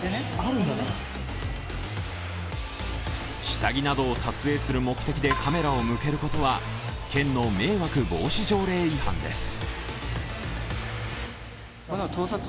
下着などを撮影する目的でカメラを向けることは県の迷惑防止条例違反です。